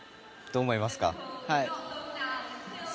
どう思いますか？